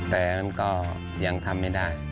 แต่มันก็ยังทำไม่ได้